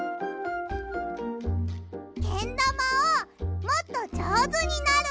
けんだまをもっとじょうずになる！